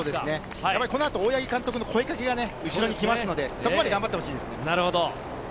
大八木監督の声かけがこの後にきますので、それまで頑張ってほしいです。